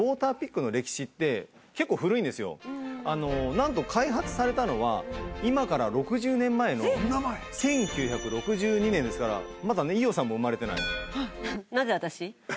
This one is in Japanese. なんと開発されたのは今から６０年前の１９６２年ですからまだね伊代さんも生まれてない。